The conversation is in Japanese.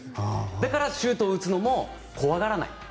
だからシュートを打つのも怖がらない。